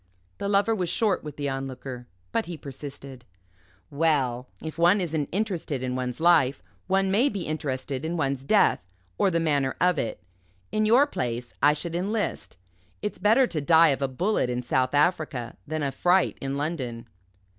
The Lover was short with the Onlooker; but he persisted. "Well, if one isn't interested in one's life, one may be interested in one's death or the manner of it. In your place, I should enlist. It's better to die of a bullet in South Africa than of fright in London."